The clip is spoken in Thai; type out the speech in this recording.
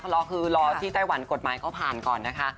รอคือรอที่ไต้หวันกฎหมายเขาผ่านก่อนนะคะ